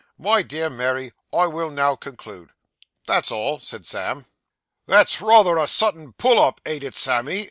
My dear Mary I will now conclude." That's all,' said Sam. 'That's rather a Sudden pull up, ain't it, Sammy?